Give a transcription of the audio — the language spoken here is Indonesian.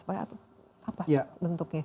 lain apa bentuknya